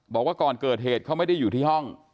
บอกว่าก่อนเกิดเหตุเขาไม่ได้อยู่ที่ห้อง